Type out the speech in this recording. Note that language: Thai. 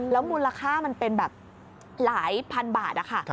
แล้วมูลค่ามันเป็นแบบหลายพันบาทนะคะ